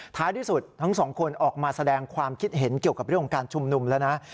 ท้ายที่สุดทั้งสองคนออกมาแสดงความคิดเห็นเกี่ยวกับเรื่องของการชุมนุมแล้วนะ